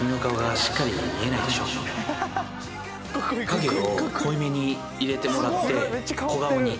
影を濃いめに入れてもらって小顔に。